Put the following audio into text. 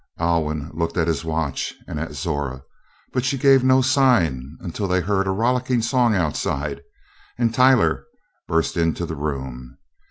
Alwyn looked at his watch and at Zora, but she gave no sign until they heard a rollicking song outside and Tylor burst into the room.